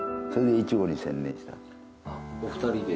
お二人で？